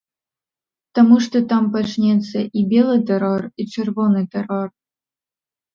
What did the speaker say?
Таму што там пачнецца і белы тэрор, і чырвоны тэрор.